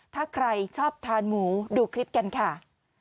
ถ้าใครชอบทานหมูดูคลิปกันค่ะ